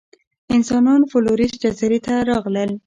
انسانان فلورېس جزیرې ته راغلل.